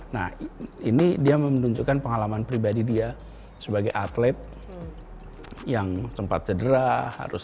nah ini dia menunjukkan pengalaman pribadi dia sebagai atlet yang sempat cedera harus